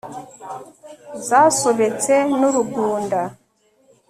zasobetse n’urugunda.